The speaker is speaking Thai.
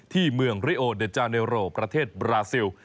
ที่เมืองริโอเดอร์จาเนโรประเทศบราซิล